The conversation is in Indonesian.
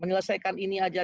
menyelesaikan ini saja